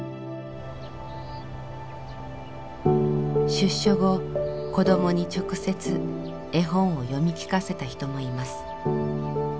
出所後子どもに直接絵本を読み聞かせた人もいます。